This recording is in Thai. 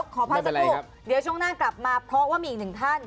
ขอพักสักครู่เดี๋ยวช่วงหน้ากลับมาเพราะว่ามีอีกหนึ่งท่าน